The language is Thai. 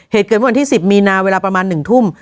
เหตุเกิดวันที่สิบมีนาเวลาประมาณหนึ่งทุ่ม